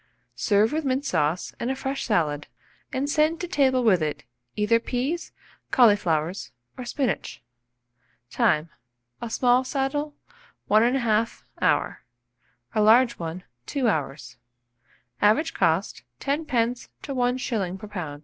Serve with mint sauce and a fresh salad, and send to table with it, either peas, cauliflowers, or spinach. Time. A small saddle, 1 1/2 hour; a large one, 2 hours. Average cost, 10d. to 1s. per lb.